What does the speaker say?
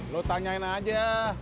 lo tanyain aja